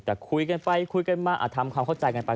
แต่คุยกันไปคุยกันมาทำความเข้าใจกันไป